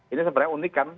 ini sebenarnya unik kan